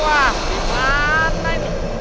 wah gimana ini